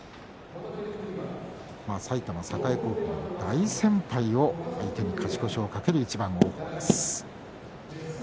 埼玉栄高校の大先輩を相手に勝ち越しを懸ける一番の王鵬です。